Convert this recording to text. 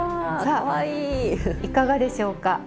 さあいかがでしょうか？